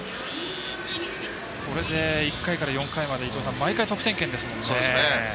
これで、１回から４回まで毎回得点圏ですもんね。